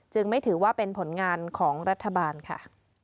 ไม่ถือว่าเป็นผลงานของรัฐบาลค่ะ